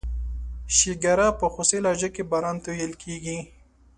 شیګیره په خوستی لهجه کې باران ته ویل کیږي.